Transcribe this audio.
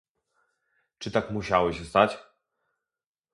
Czy tak musiało się stać?